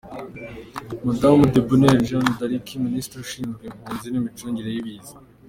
Madamu Deboneri Jane dariki, Minisitiri ushinzwe Impunzi n’Imicungire y’Ibiza.